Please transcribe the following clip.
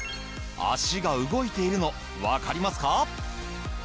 足が動いているのわかりますか？